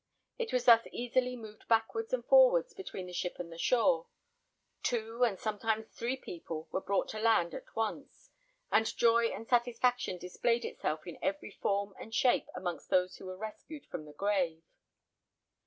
It was thus easily moved backwards and forwards between the ship and the shore. Two, and sometimes three people, were brought to land at once; and joy and satisfaction displayed itself in every form and shape amongst those who were rescued from the grave.